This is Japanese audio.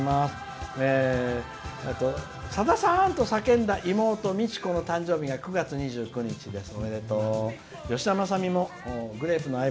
「さださんと叫んだ妹みちこの誕生日が９月２９日です。